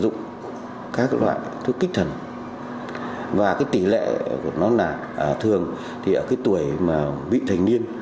nhiều người nói là người ta không có kích thần và cái tỷ lệ của nó là thường thì ở cái tuổi mà vị thành niên